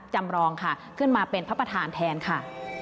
จำรองค่ะขึ้นมาเป็นพระประธานแทนค่ะ